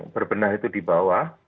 berbenah itu di bawah